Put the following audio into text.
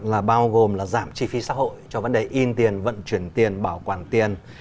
là bao gồm là giảm chi phí xã hội cho vấn đề in tiền vận chuyển tiền bảo quản tiền